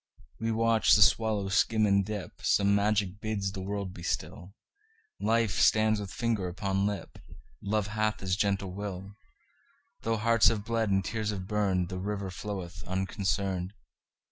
We watch the swallow skim and dip; Some magic bids the world be still; Life stands with finger upon lip; Love hath his gentle will; Though hearts have bled, and tears have burned, The river floweth unconcerned.